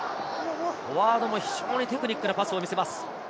フォワードも非常にテクニックのあるパスを見せます。